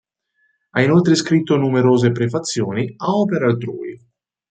Ha inoltre scritto numerose prefazioni a opere altrui.